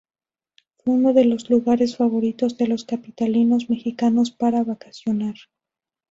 Fue uno de los lugares favoritos de los capitalinos mexicanos para vacacionar.